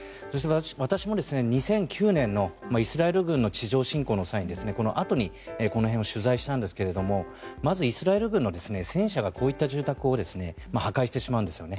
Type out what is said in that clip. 私も２００９年のイスラエル軍の地上侵攻の際にそのあとにこの辺を取材したんですけどもイスラエル軍の戦車がこういった住宅を破壊してしまうんですよね。